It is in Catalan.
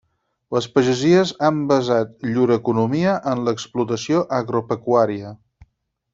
Les pagesies han basat llur economia en l'explotació agropecuària.